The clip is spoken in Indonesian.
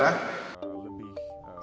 di mana kita akan mencari penyelidikan